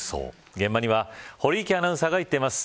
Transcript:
現場には堀池アナウンサーが行っています。